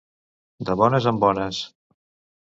De bones en bones.